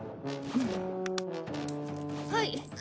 はい。